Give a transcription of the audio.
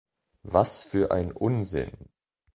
Was für ein Unsinn!